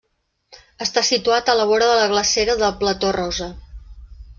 Està situat a la vora de la glacera del Plateau Rosa.